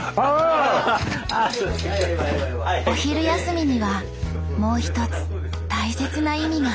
お昼休みにはもう一つ大切な意味が。